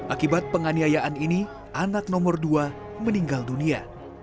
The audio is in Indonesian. akibat penganiayaan ini anak nomor dua meninggal dunia